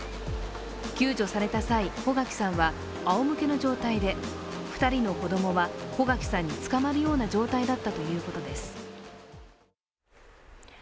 救助された際、穗垣さんはあおむけの状態で２人の子供は穗垣さんにつかまるような状態だったということです。